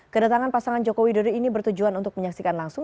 kedatangan pasangan joko widodo ini bertujuan untuk menyaksikan langsung